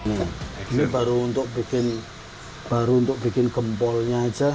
ini baru untuk bikin gempolnya aja